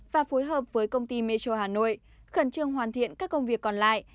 và phối hợp với công ty mê châu hà nội khẩn trương hoàn thiện các công việc còn lại